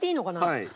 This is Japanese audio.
はい。